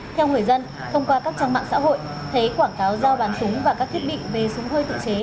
theo người dân thông qua các trang mạng xã hội thế quảng cáo giao bán súng và các thiết bị về súng hơi tự chế